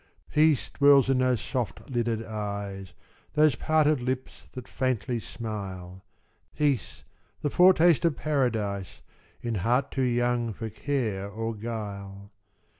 Peace dwells in those soft lidded eyes, Those parted lips that faintly smile Peace, the foretaste of Paradise, In heart too young for care or guile.